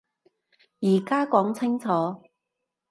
而家講清楚